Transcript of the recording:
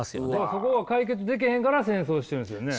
そこが解決できへんから戦争してるんですよね。